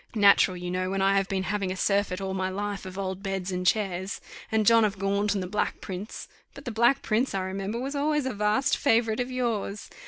Natural, you know, when I have been having a surfeit all my life of old beds and chairs, and John of Gaunt and the Black Prince. But the Black Prince, I remember, was always a vast favourite of yours.